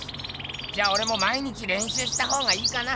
じゃあ俺も毎日れんしゅうしたほうがいいかな。